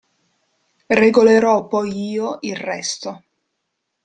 Regolerò poi io il resto.